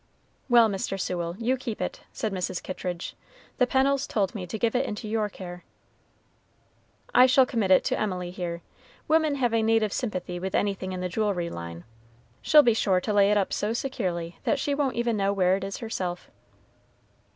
"Well, Mr. Sewell, you keep it," said Mrs. Kittridge; "the Pennels told me to give it into your care." "I shall commit it to Emily here; women have a native sympathy with anything in the jewelry line. She'll be sure to lay it up so securely that she won't even know where it is herself."